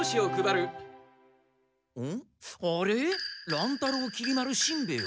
乱太郎きり丸しんべヱ。